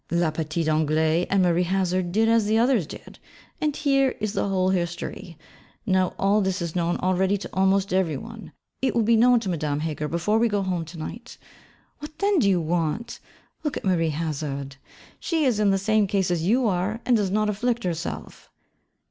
La petite Anglaise and Marie Hazard did as the others did: and here is the whole history. Now all this is known already to almost every one. It will be known to Madame Heger before we go home to night. What then do you want? Look at Marie Hazard: she is in the same case as you are, and does not afflict herself.'